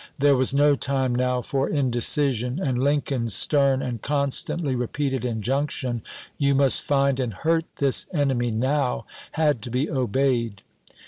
There was no time now for indecision, and Lincoln's stern and constantly repeated injunc tion, " You must find and hurt this enemy now," had to be obeyed.